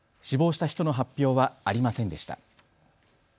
死亡した人の発表はありませんでした。